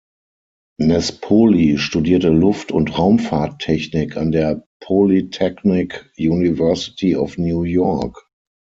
Nespoli studierte Luft- und Raumfahrttechnik an der Polytechnic University of New York.